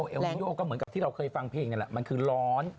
เอลวิโนก็เหมือนกับที่เราเคยฟังเพลงนี่แหละมันคือร้อน